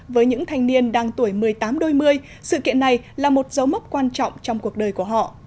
với những thanh niên đang tuổi một mươi tám đôi mươi sự kiện này là một dấu mốc quan trọng trong cuộc đời của họ